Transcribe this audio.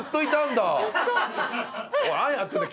おい何やってんだ？